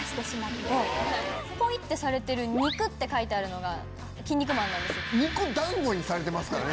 ポイってされてる「肉」って書いてあるのがキン肉マンなんです。